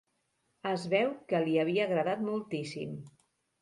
Es veu que li havia agradat moltíssim.